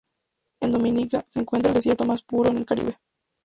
En Dominica se encuentra el desierto más puro en el Caribe.